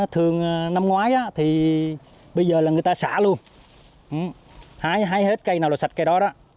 thường năm ngoái thì bây giờ là người ta xả luôn hái hết cây nào là sạch cây đó